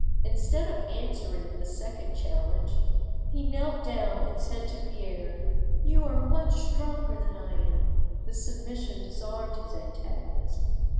Instead of answering this second challenge, he knelt down and said to Pierre— "You are much stronger than I am." This submission disarmed his antagonist.